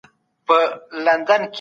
تاسي د ملګرو سره مرسته کوئ.